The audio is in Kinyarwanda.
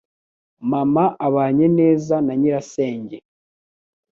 Mama abanye neza na nyirasenge.